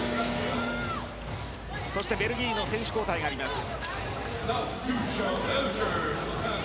そしてベルギーに選手交代があります。